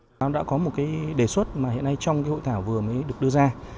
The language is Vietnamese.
chúng tôi đã có một đề xuất mà hiện nay trong hội thảo vừa mới được đưa ra